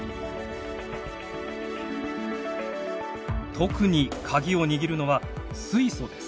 特にカギを握るのは水素です。